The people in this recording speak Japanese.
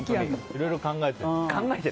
いろいろ考えてる。